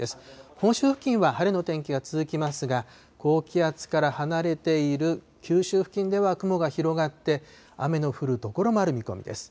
本州付近は晴れの天気が続きますが、高気圧から離れている九州付近では雲が広がって、雨の降る所もある見込みです。